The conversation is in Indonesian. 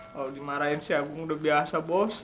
kalau dimarahin si agung udah biasa bos